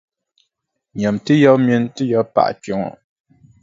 Nyami ti yaba mini ti yabipaɣa kpe ŋɔ.